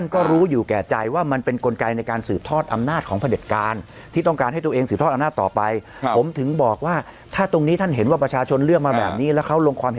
คือการให้สอวอมาเลือกนายก